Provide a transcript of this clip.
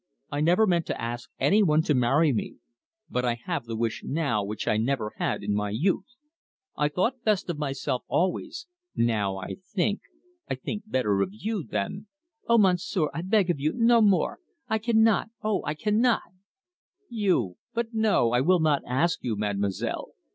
I never meant to ask any one to marry me. But I have the wish now which I never had in my youth. I thought best of myself always; now, I think I think better of you than " "Oh, Monsieur, I beg of you, no more! I cannot; oh, I cannot " "You but no; I will not ask you, Mademoiselle.